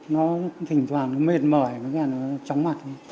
nó thỉnh thoảng mệt mỏi chóng mặt